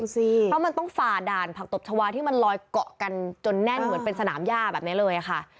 เพราะมันต้องฝ่าด่านผักตบชาวาที่มันลอยเกาะกันจนแน่นเหมือนเป็นสนามย่าแบบนี้เลยค่ะ